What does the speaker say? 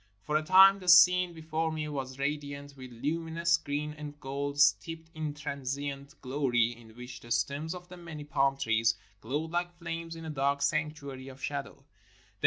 For a time the scene before me was radi ant with luminous green and gold, steeped in transient glory in which the stems of the many palm trees glowed like flames in a dark sanctuary of shadow.